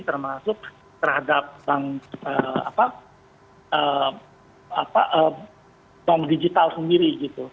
termasuk terhadap bank digital sendiri